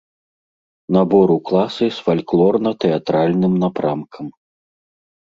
Набор у класы з фальклорна-тэатральным напрамкам.